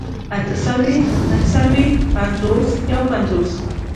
اتهڅلوېښت، نههڅلوېښت، پينځوس، يوپينځوس